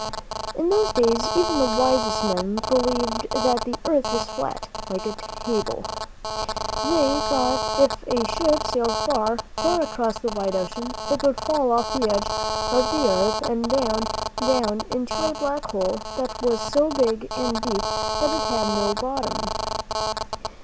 In those days, even the wisest men believed that the earth was flat, like a table. They thought that if a ship sailed far, far across the wide ocean, it would fall off the edge of the earth, and down, down into a black hole that was so big and deep that it had no bottom.